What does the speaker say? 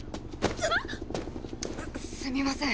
すすみません。